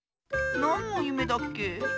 なんのゆめだっけ？